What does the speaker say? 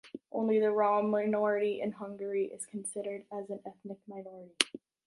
Only the rom minority in Hungary is considered as an ethnic minority.